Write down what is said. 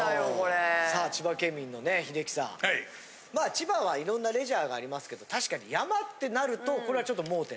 千葉はいろんなレジャーがありますけど確かに山ってなるとこれはちょっと盲点。